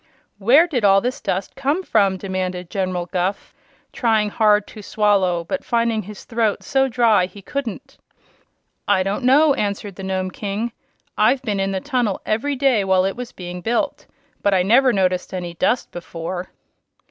"Where did all this dust come from?" demanded General Guph, trying hard to swallow but finding his throat so dry he couldn't. "I don't know," answered the Nome King. "I've been in the tunnel every day while it was being built, but I never noticed any dust before."